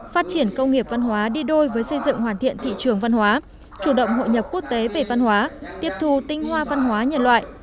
phát triển công nghiệp văn hóa đi đôi với xây dựng hoàn thiện thị trường văn hóa chủ động hội nhập quốc tế về văn hóa tiếp thù tinh hoa văn hóa nhân loại